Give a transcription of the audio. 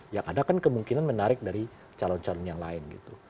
yang ada kan kemungkinan menarik dari calon calon yang lain gitu